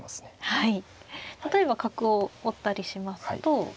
はい。